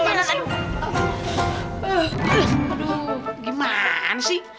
aduh gimana sih